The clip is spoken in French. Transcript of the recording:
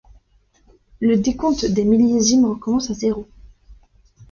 Le décompte des millésimes recommence à zéro.